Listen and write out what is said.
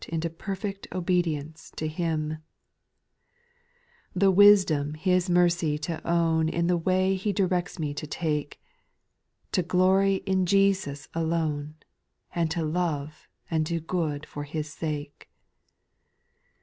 Into perfect obedience lo "S\u\. ^ SPIRITUAL SONGS, 199 4. A The wisdom His mercy to own In the way He directs me to take, — To glory in Jesus alone, And to love, and do good for His sake.